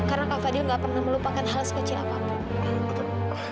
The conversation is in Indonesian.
karena kak fadil gak pernah melupakan hal sekecil apapun